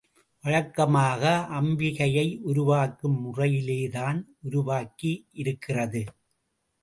வழக்கமாக அம்பி கையை உருவாக்கும் முறையிலேதான் உருவாக்கியிருக்கிறது.